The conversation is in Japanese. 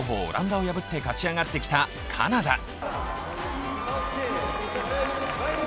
オランダを破って勝ち上がってきたカナダ。